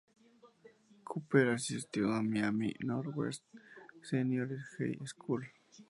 Cooper asistió a Miami Northwestern Senior High School.